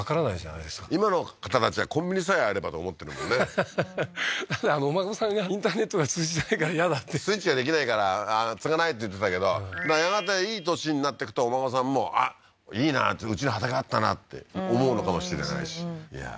はっお孫さんがインターネットが通じないから嫌だってＳｗｉｔｃｈができないから継がないって言ってたけどやがていい年になってくとお孫さんもあっいいなってうちに畑あったなって思うのかもしれないしいやー